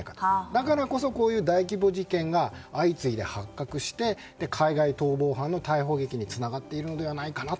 だからこそこうした大規模事件が相次いで発覚して、海外逃亡犯の逮捕劇につながっているのではないかな。